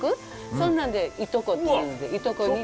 そんなんでいとこって言うんでいとこ煮っていう。